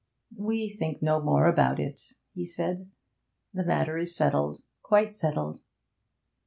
'We think no more about it,' he said. 'The matter is settled quite settled.'